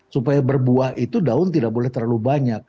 supaya berbuah itu daun tidak boleh terlalu banyak